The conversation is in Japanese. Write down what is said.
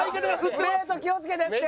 プレート気をつけてって！